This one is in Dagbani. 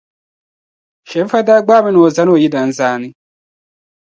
Sharifa daa gbaai mi ni o zani o yidana zaani.